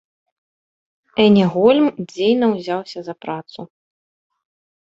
Энегольм дзейна ўзяўся за працу.